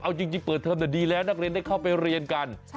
เอาจริงเปิดเทอมแต่ดีแล้วนักเรียนได้เข้าไปเรียนกัน